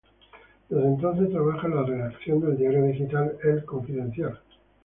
Desde entonces trabaja en la redacción del diario digital "El Confidencial".